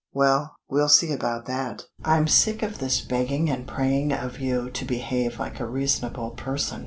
"Well, we'll see about that! I'm sick of this begging and praying of you to behave like a reasonable person.